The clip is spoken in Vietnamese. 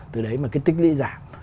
từ đấy mà cái tích lũy giảm